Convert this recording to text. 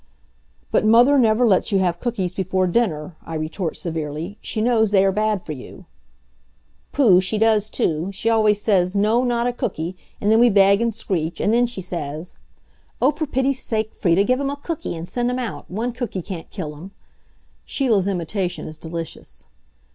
"But Mother never lets you have cookies before dinner," I retort severely. "She knows they are bad for you." "Pooh, she does too! She always says, 'No, not a cooky!' And then we beg and screech, and then she says, 'Oh, for pity's sake, Frieda, give 'em a cooky and send 'em out. One cooky can't kill 'em.'" Sheila's imitation is delicious.